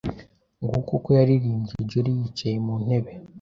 Nguko uko yaririmbye jolly yicaye muntebe